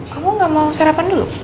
kamu gak mau sarapan dulu